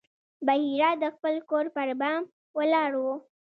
بحیرا د خپل کور پر بام ولاړ و.